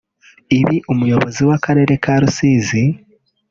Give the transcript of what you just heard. Ibi Umuyobozi w’Akarere ka Rusizi